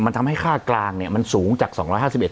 มันทำให้ค่ากลางเนี่ยมันสูงจากสองร้อยห้าสิบเอ็ด